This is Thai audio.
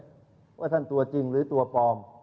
เพลงว่าท่าท่านตัวจริงหรือตัวปลอ